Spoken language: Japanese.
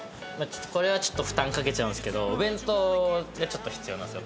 これはちょっと負担かけちゃうんですけどお弁当がちょっと必要なんですよ